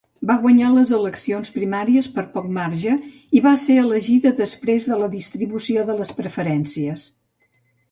Va guanyar les eleccions primàries per poc marge i va ser elegida després de la distribució de les preferències.